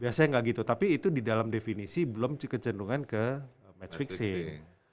biasanya gak gitu tapi itu di dalam definisi belum kecenderungan ke match fixing